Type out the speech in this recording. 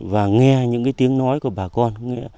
và nghe những tiếng nói của bà con